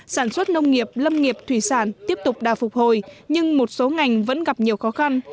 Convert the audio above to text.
sản xuất nông nghiệp lâm nghiệp thủy sản tiếp tục đà phục hồi nhưng một số ngành vẫn gặp nhiều khó khăn